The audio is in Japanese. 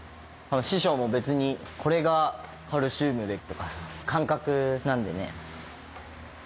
師匠も別に「これがカルシウムで」とかさ。感覚なのでね。